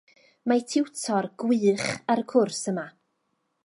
Mae tiwtor gwych ar y cwrs yma.